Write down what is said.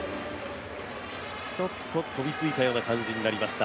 飛びついたような感じになりました。